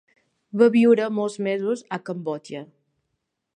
Va viure molts mesos a Cambodja.